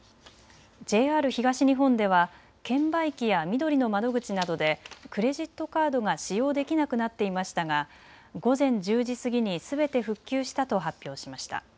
ＪＲ東日本では券売機やみどりの窓口などでクレジットカードが使用できなくなっていましたが午前１０時過ぎにすべて復旧したと発表しました。